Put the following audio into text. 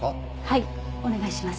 はいお願いします。